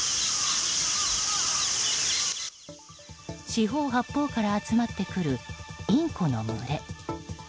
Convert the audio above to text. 四方八方から集まってくるインコの群れ。